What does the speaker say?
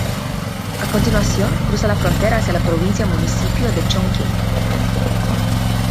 A continuación, cruza la frontera hacia la provincia-municipio de Chongqing.